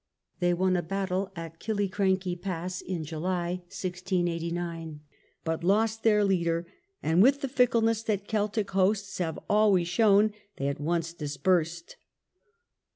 They won a battle at Killiecrankie Pass in July, 1689, but lost their leader, and with the fickleness that Celtic hosts have always shown, they at once dispersed.